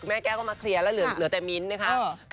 แม่แก๊งก็มาแคลียร์แล้วเหลือแต่มิ้นท์เนี่ยค่ะ